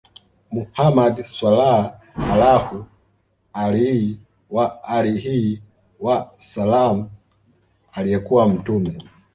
Muhammad Swalla Allaahu alayhi wa aalihi wa sallam aliyekuwa mtume